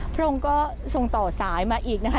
พระองค์ก็ทรงต่อสายมาอีกนะคะ